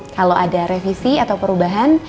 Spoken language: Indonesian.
kalau ada revisi atau perubahan